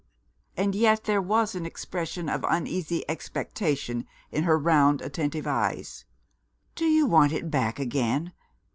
And yet there was an expression of uneasy expectation in her round attentive eyes. "Do you want it back again?"